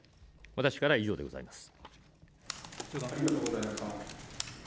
私からは以上でございます。